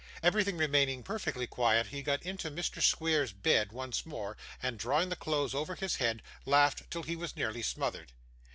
Everything remaining perfectly quiet, he got into Mr. Squeers's bed, once more, and drawing the clothes over his head, laughed till he was nearly smothered.